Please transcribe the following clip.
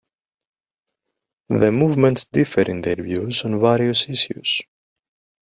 The movements differ in their views on various issues.